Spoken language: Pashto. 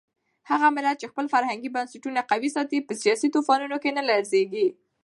هغه ملت چې خپل فرهنګي بنسټونه قوي ساتي په سیاسي طوفانونو کې نه لړزېږي.